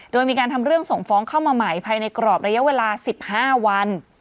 โดยมีการทำเรื่องส่งฟ้องเข้ามาใหม่ภายในกรอบระยะเวลา๑๕วัน